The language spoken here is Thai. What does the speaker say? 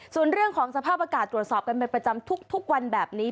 ส่วนเรื่องของสภาพอากาศตรวจสอบกันเป็นประจำทุกวันแบบนี้